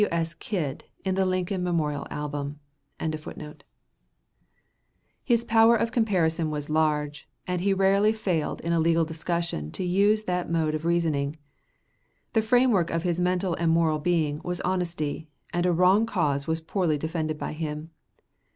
T. W. S. Kidd, in the Lincoln Memorial Album.] His power of comparison was large, and he rarely failed in a legal discussion to use that mode of reasoning. The framework of his mental and moral being was honesty, and a wrong cause was poorly defended by him.